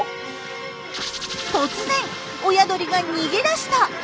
突然親鳥が逃げ出した！